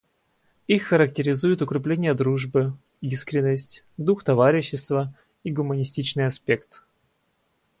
Их характеризует укрепление дружбы, искренность, дух товарищества и гуманистичный аспект.